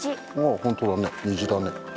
本当だね、虹だね。